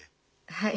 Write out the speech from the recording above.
はい。